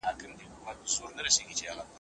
دولتي پوهنتون له مشورې پرته نه اعلانیږي.